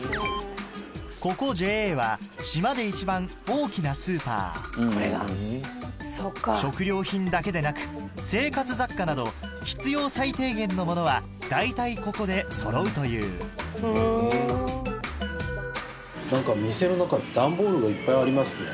ここＪＡは島で一番大きなスーパー食料品だけでなく生活雑貨など必要最低限のものは大体ここでそろうという何か店の中段ボールがいっぱいありますね。